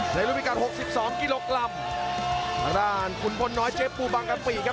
รูปพิการหกสิบสองกิโลกรัมทางด้านขุนพลน้อยเชฟปูบังกะปิครับ